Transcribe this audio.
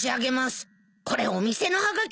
これお店のはがきだよ？